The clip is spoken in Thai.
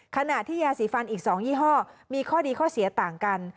ขณะที่ยาสีฟันอีก๒ยี่ห้อมีข้อดีข้อเสียต่างกัน